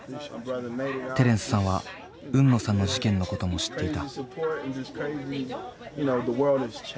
テレンスさんは海野さんの事件のことも知っていた。